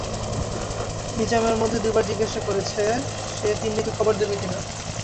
নিজাম এর মধ্যে দু বার জিজ্ঞেস করেছে, সে তিন্নিকে খবর দেবে কি না।